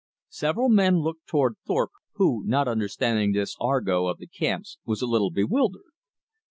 Several men looked toward Thorpe, who, not understanding this argot of the camps, was a little bewildered.